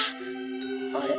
あれ？